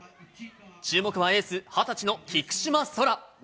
注目のエース、２０歳の菊島宙。